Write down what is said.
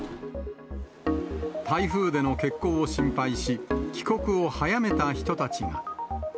台風での欠航を心配し、帰国を早めた人たちが。